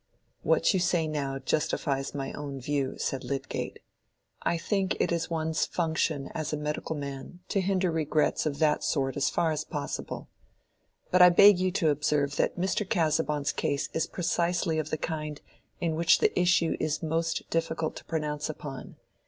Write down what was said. "What you say now justifies my own view," said Lydgate. "I think it is one's function as a medical man to hinder regrets of that sort as far as possible. But I beg you to observe that Mr. Casaubon's case is precisely of the kind in which the issue is most difficult to pronounce upon.